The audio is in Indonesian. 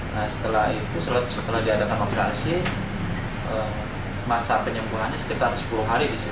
nah setelah itu setelah diadakan operasi masa penyembuhannya sekitar sepuluh hari di sini